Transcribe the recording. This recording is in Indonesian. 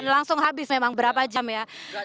dan langsung habis memang berapa jam ya